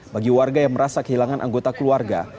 bagi warga yang merasa kehilangan anggota keluarga